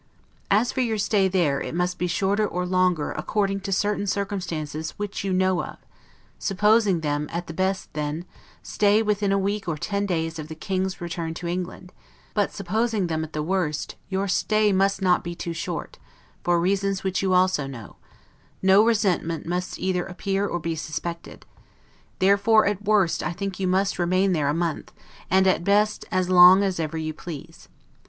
As for your stay there, it must be shorter or longer, according to certain circumstances WHICH YOU KNOW OF; supposing them, at the best, then, stay within a week or ten days of the King's return to England; but supposing them at the worst, your stay must not be too short, for reasons which you also know; no resentment must either appear or be suspected; therefore, at worst, I think you must remain there a month, and at best, as long as ever you please.